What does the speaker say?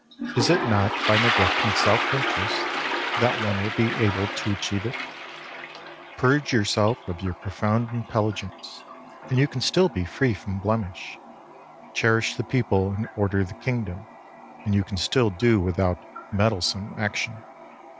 Is it not by neglecting self interest that one will be able to achieve it ? Purge yourself of your profound intelligence, and you can still be free from blemish. Cherish the people and order the kingdom, and you can still do without meddlesome action.